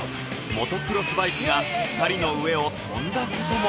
モトクロスバイクが２人の上を飛んだことも！